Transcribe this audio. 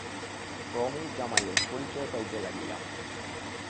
ক্রমেই জামাইয়ের পরিচয় পাইতে লাগিলাম।